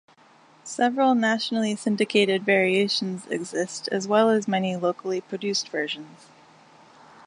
Several nationally syndicated variations exist as well as many locally produced versions.